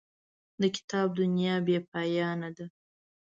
د کتاب دنیا بې پایانه ده.